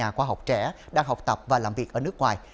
các nhà khoa học trẻ đang học tập và làm việc ở nước ngoài